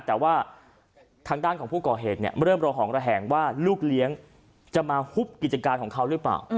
แต่ว่าทางด้านของผู้ก่อเหตุเริ่มระหองระแหงว่าลูกเลี้ยงจะมาฮุบกิจการของเขาหรือเปล่า